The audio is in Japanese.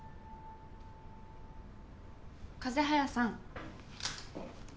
風早さん。